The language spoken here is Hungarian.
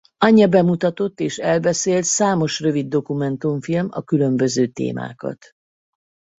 Anja bemutatott és elbeszélt számos rövid dokumentumfilm a különböző témákat.